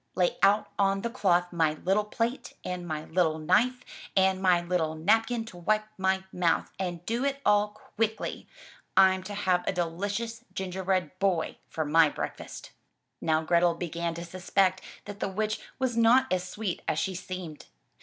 Lay out on the cloth my little plate and my Httle knife and my little napkin to wipe my mouth, and do it all quickly — Fm to have a delicious gingerbread boy for my breakfast." Now Grethel began to suspect that the witch was not as sweet as she seemed.